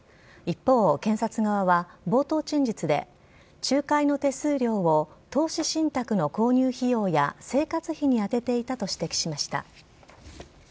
一方、検察側は冒頭陳述で、仲介の手数料を投資信託の購入費用や生活費に充てていたと指摘しました。